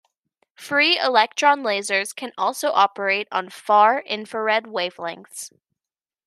Free electron lasers can also operate on far infrared wavelengths.